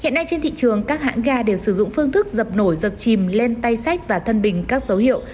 hiện nay trên thị trường các hãng ga đều sử dụng phương thức dập nổi dập chìm lên tay sách và thân bình các dấu hiệu